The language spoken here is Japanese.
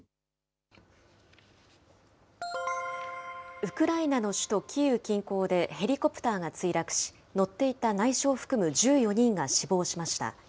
ウクライナの首都キーウ近郊で、ヘリコプターが墜落し、乗っていた内相を含む１４人が死亡しました。